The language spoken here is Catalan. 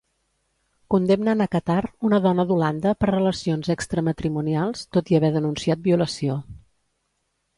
Condemnen a Catar una dona d'Holanda per relacions extramatrimonials, tot i haver denunciat violació.